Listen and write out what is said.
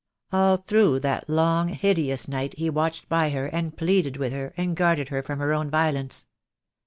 All through that long, hideous night he watched by her, and pleaded with her, and guarded her from her own violence.